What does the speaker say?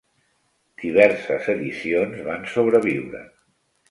Diverses edicions van sobreviure.